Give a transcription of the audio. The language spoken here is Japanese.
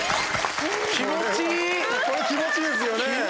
これ、気持ちいいですよね。